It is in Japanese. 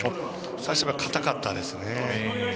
最初は硬かったですね。